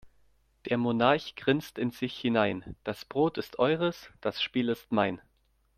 Der Monarch grinst in sich hinein: Das Brot ist eures, das Spiel ist mein.